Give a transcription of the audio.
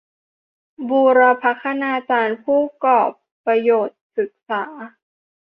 บูรพคณาจารย์ ผู้กอปรประโยชน์ศึกษา